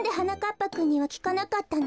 ぱくんにはきかなかったの？